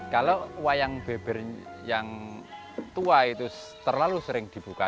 kalau wayang beber yang tua itu terlalu sering dibuka